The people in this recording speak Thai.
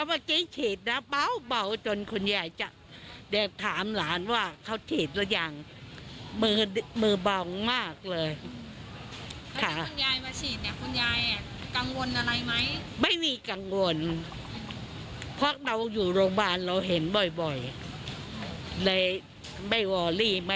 วัคซีนเข้าไปแล้วเราเดี๋ยวจะมีแบบผลต่อภูมิร่างกายอะไรอย่างนี้ค่ะ